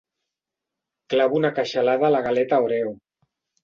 Clavo una queixalada a la galeta oreo.